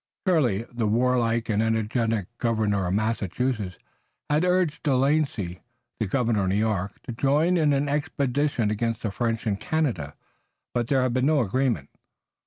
Shirley, the warlike and energetic governor of Massachusetts, had urged De Lancy, the governor of New York, to join in an expedition against the French in Canada, but there had been no agreement.